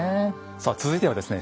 さあ続いてはですね